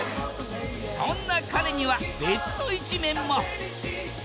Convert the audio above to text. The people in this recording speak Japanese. そんな彼には別の一面も！